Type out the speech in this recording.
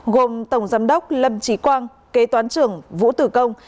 gồm tổng giám đốc lâm trí quang kế toán trưởng vũ tử công